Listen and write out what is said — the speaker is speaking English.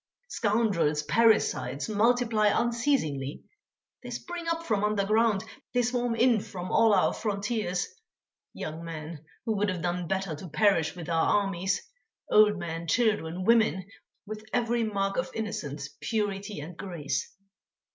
scoundrels, parricides multiply unceasingly; they spring up from underground, they swarm in from all our frontiers, young men, who would have done better to perish with our armies, old men, children, women, with every mark of innocence, purity, and grace.